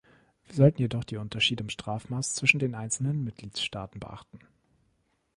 Wir sollten jedoch die Unterschiede im Strafmaß zwischen den einzelnen Mitgliedstaaten beachten.